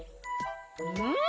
うん！